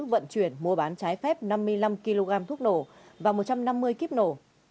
vận chuyển mua bán trái phép năm mươi năm kg thuốc nổ và một trăm năm mươi kíp nổ